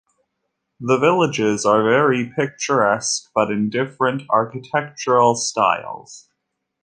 The villages are very picturesque but in different architectural styles.